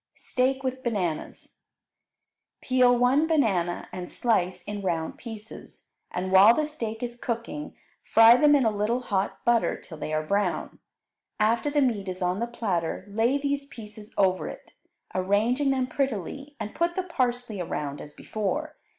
Steak with Bananas Peel one banana and slice in round pieces, and while the steak is cooking fry them in a little hot butter till they are brown. After the meat is on the platter, lay these pieces over it, arranging them prettily, and put the parsley around as before.